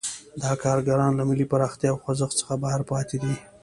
دا کارګران له ملي پراختیا او خوځښت څخه بهر پاتې دي.